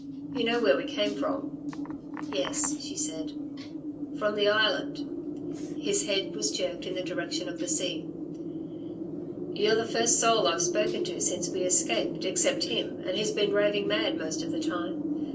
You know where we came from?" "Yes," she said. "From the Island," his head was jerked in the direction of the sea. "You're the first soul I've spoken to since we escaped except him, and he's been raving mad most of the time.